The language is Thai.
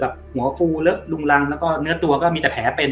หัวฟูเลอะลุงรังแล้วก็เนื้อตัวก็มีแต่แผลเป็น